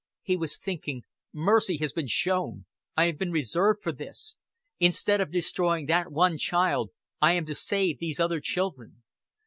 He was thinking: "Mercy has been shown. I have been reserved for this. Instead of destroying that one child, I am to save these other children."